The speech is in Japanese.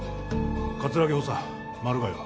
葛城補佐マル害は？